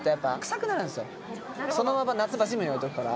そのまま夏場ジムに置いとくから。